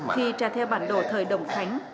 khi trả theo bản đồ thời đồng khánh